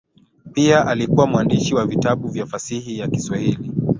Pia alikuwa mwandishi wa vitabu vya fasihi ya Kiswahili.